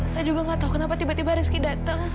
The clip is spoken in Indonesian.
saya juga nggak tahu kenapa tiba tiba rizky datang